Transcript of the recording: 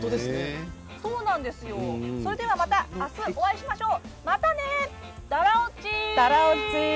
それではまた明日お会いしましょう。